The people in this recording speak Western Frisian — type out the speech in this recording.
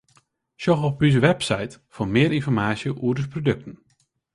Sjoch op ús website foar mear ynformaasje oer ús produkten.